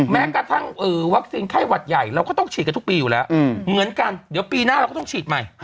แม้กระทั่งวัคซีนไข้หวัดใหญ่เราก็ต้องฉีดกันทุกปีอยู่แล้วเหมือนกันเดี๋ยวปีหน้าเราก็ต้องฉีดใหม่